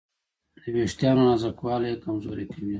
د وېښتیانو نازکوالی یې کمزوري کوي.